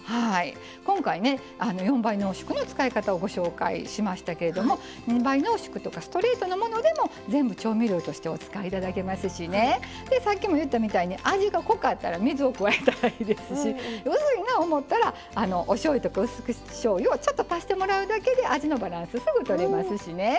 今回、４倍濃縮の使い方をご紹介しましたけれども２倍濃縮とかストレートのものでも全部、調味料としてお使えいただけますしさっきも言ったみたいに味が濃ければ水を加えたらいいですし薄いな思ったら、おしょうゆとかうす口しょうゆを足してもらうだけで味のバランスすぐとれますしね。